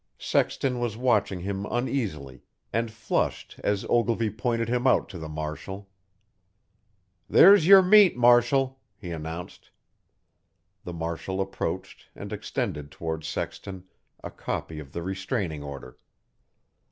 Sexton was watching him uneasily, and flushed as Ogilvy pointed him out to the marshal. "There's your meat, Marshal," he announced. The marshal approached and extended toward Sexton a copy of the restraining order.